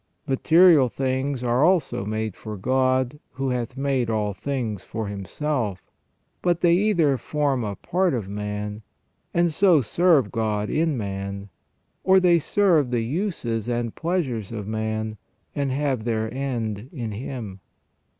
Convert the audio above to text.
Material things are also made for God, who "hath made all things for Himself," but they either form a part of man, and so serve God in man, or they serve the uses and pleasures of man, and have their end in him.